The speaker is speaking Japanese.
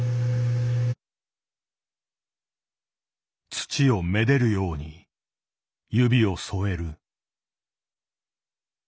土をめでるように指を添える。